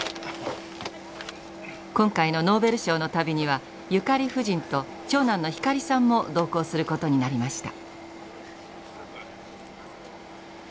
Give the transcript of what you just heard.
今回のノーベル賞の旅にはゆかり夫人と長男の光さんも同行することになりました。